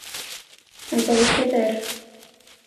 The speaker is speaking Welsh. Mae bywyd rhy fyr.